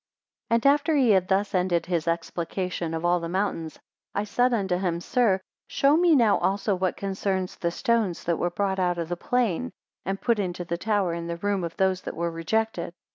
248 And after he had thus ended his explication of all the mountains, I said unto him, Sir, show me now also what concerns the stones that were brought out of the plain, and put into the tower in the room of those that were rejected.